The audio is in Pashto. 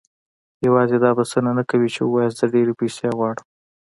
يوازې دا بسنه نه کوي چې وواياست زه ډېرې پيسې غواړم.